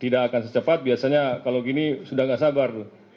tidak akan secepat biasanya kalau gini sudah tidak sabar